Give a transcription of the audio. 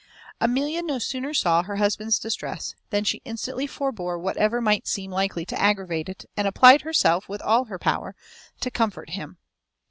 Amelia no sooner saw her husband's distress than she instantly forbore whatever might seem likely to aggravate it, and applied herself, with all her power, to comfort him.